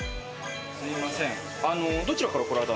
すいません。